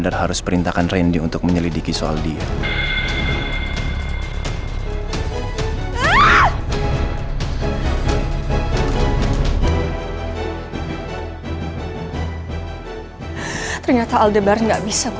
kamu harus memang meminta randy untuk bisa menyelidiki keputusan dia